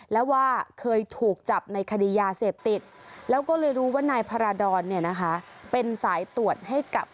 แล้วว่าเคยถูกจับในคดียาเสพติดแล้วก็เลยรู้ว่านายพาราดอนเนี่ยนะคะ